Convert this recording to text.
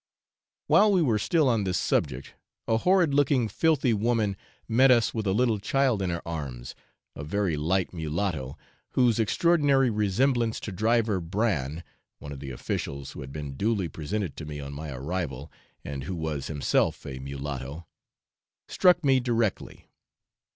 While we were still on this subject, a horrid looking filthy woman met us with a little child in her arms, a very light mulatto, whose extraordinary resemblance to Driver Bran (one of the officials, who had been duly presented to me on my arrival, and who was himself a mulatto) struck me directly.